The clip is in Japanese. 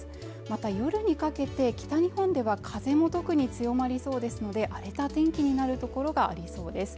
また夜にかけて北日本では風も特に強まりそうですので荒れた天気になる所がありそうです